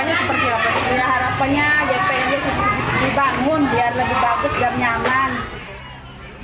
harapannya yang pengennya sifat sifat dibangun biar lebih bagus dan nyaman